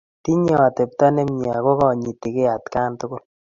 Tinye atepto nemye ako konyiti key atkan tukul.